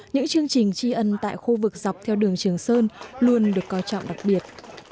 những chương trình tri ân tại khu vực dọc theo đường trường sơn luôn được coi trọng đặc biệt